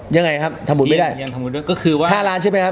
ยังไงครับทำบุญไม่ได้ยังทำบุญด้วยก็คือว่าห้าล้านใช่ไหมครับ